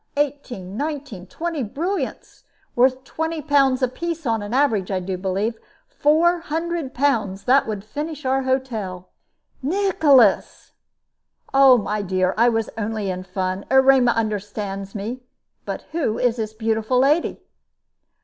Eighteen, nineteen, twenty brilliants, worth twenty pounds apiece upon an average, I do believe. Four hundred pounds. That would finish our hotel." "Nicholas!" "My dear, I was only in fun. Erema understands me. But who is this beautiful lady?"